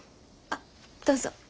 あっどうぞ。